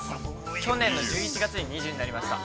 去年の１１月に２０歳になりました。